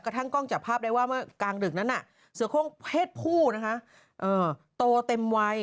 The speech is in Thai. ทั้งกล้องจับภาพได้ว่าเมื่อกลางดึกนั้นเสือโค้งเพศผู้นะคะโตเต็มวัย